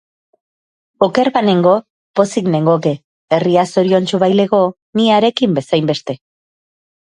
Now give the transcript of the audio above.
Oker banengo, pozik nengoke, herria zoriontsu bailego ni harekin bezainbeste.